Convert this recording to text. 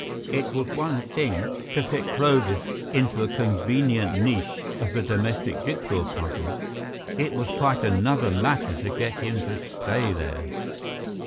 It was one thing to fit Clovis into a convenient niche of the domestic jig saw puzzle; it was quite another matter to get him to stay there.